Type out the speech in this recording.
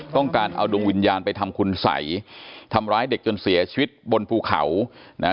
ต้องการเอาดวงวิญญาณไปทำคุณสัยทำร้ายเด็กจนเสียชีวิตบนภูเขานะฮะ